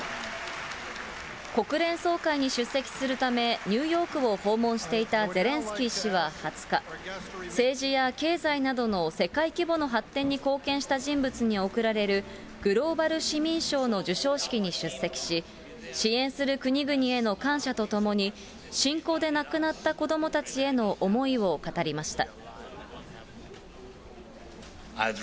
国連総会に出席するためニューヨークを訪問していたゼレンスキー氏は２０日、政治や経済などの世界規模の発展に貢献した人物におくられるグローバル市民賞の授賞式に出席し、支援する国々への感謝とともに、侵攻で亡くなった子どもたちへの思いを語りました。